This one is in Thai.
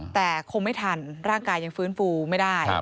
แต่คงไม่ทันร่างกายยังฟื้นฟูไม่ได้